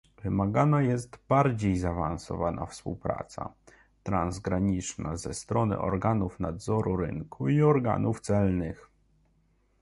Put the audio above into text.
Wymagana jest bardziej zaawansowana współpraca transgraniczna ze strony organów nadzoru rynku i organów celnych